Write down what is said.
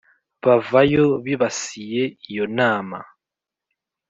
Bava yo bibasiye iyo nama